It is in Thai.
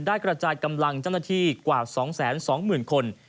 กระจายกำลังเจ้าหน้าที่กว่า๒๒๐๐๐คน